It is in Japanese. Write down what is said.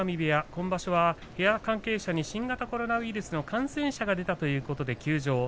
今場所は部屋関係者に新型コロナウイルスの感染者が出たということで休場。